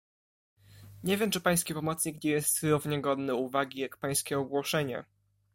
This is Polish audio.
"Nie wiem, czy pański pomocnik nie jest równie godny uwagi jak pańskie ogłoszenie."